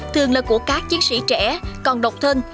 thường là của các chiến sĩ trẻ còn độc thân